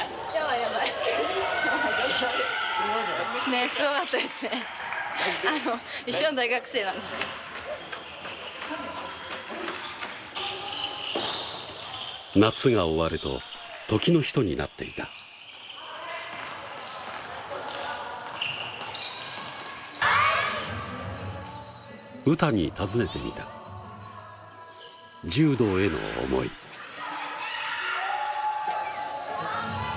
えっ？夏が終わると時の人になっていた詩に尋ねてみた柔道への思いえ